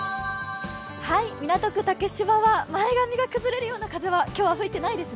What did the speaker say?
港区竹芝は前髪が崩れるような風は今日は吹いていないですね。